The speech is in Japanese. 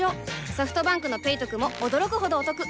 ソフトバンクの「ペイトク」も驚くほどおトク